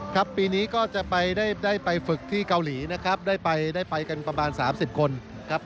ครับปีนี้ก็จะไปได้ไปฝึกที่เกาหลีนะครับได้ไปได้ไปกันประมาณ๓๐คนครับ